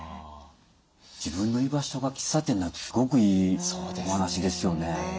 自分の居場所が喫茶店なんてすごくいいお話ですよね。